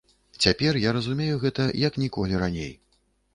Цяпер я разумею гэта як ніколі раней.